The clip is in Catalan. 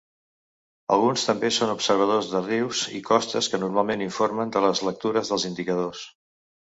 Alguns també són observadors de rius i costes que normalment informen de les lectures dels indicadors.